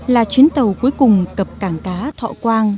là chuyến tàu cuối cùng cập cảng cá thọ quang